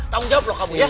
tanggung jawab loh kamu ya